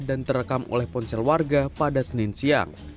dan terekam oleh ponsel warga pada senin siang